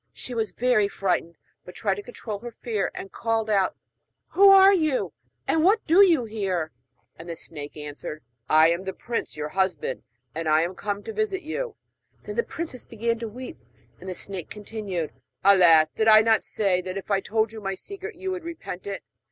She was very frightened, but tried to control her fear, and called out: 'Who are you, and what do you here?' And the snake answered: 'I am the prince, your husband, and I am come to visit you.' Then the princess began to weep; and the snake continued: 'Alas! did I not say that if I told you my secret you would repent it?